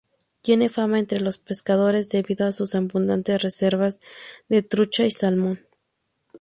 Tiene fama entre los pescadores debido a sus abundantes reservas de trucha y salmón.